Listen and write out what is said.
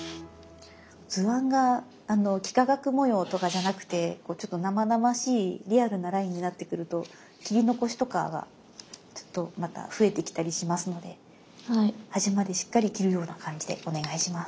図案が幾何学模様とかじゃなくてこうちょっと生々しいリアルなラインになってくると切り残しとかがちょっとまた増えてきたりしますので端までしっかり切るような感じでお願いします。